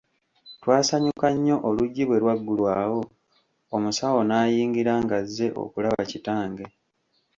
Twasanyuka nnyo oluggi bwe lwaggulwawo omusawo n'ayingira ng'azze okulaba kitange.